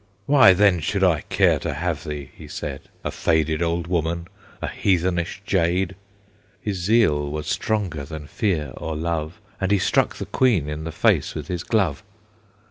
"Why, then, should I care to have thee?" he said, "A faded old woman, a heathenish jade!" His zeal was stronger than fear or love, And he struck the Queen in the face with his glove.